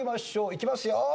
いきますよ。